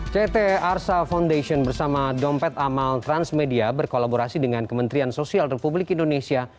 ct arsa foundation bersama dompet amal transmedia berkolaborasi dengan kementerian sosial republik indonesia